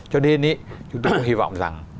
cho nên chúng tôi hy vọng rằng